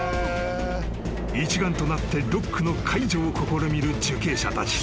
［一丸となってロックの解除を試みる受刑者たち］